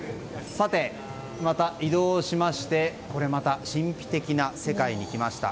また移動をしましてこれまた神秘的な世界に来ました。